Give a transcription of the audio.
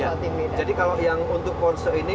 yang beda jadi kalau yang untuk ponsel ini